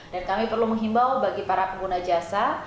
dan kami perlu menghimbau bagi para pengguna jasa